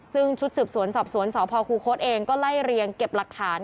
ซึ่งชุดสืบสวนสอบสวนสพคูคศเองก็ไล่เรียงเก็บหลักฐาน